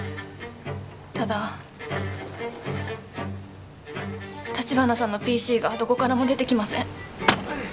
ただ橘さんのＰＣがどこからも出てきません